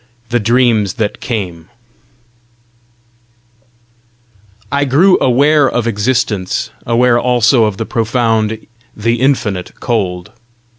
THE DREAMS THAT CAME I grew aware of existence, aware also of the profound, the infinite cold.